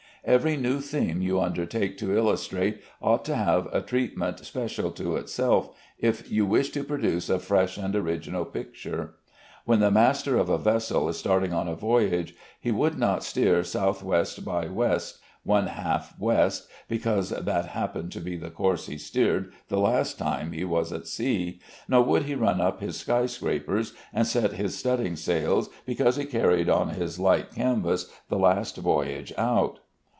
Every new theme you undertake to illustrate ought to have a treatment special to itself if you wish to produce a fresh and original picture. When the master of a vessel is starting on a voyage, he would not steer S. W. by W. ½ W. because that happened to be the course he steered the last time he was at sea, nor would he run up his skyscrapers and set his studding sails because he carried all his light canvas the last voyage out.